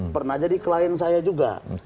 pernah jadi klien saya juga